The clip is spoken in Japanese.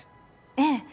ええ。